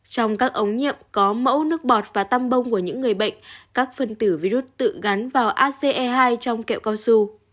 trong các ống nhiệm có mẫu nước bọt và tăm bông của những người bệnh các phần tử virus tự gắn vào ace hai trong kẹo cao su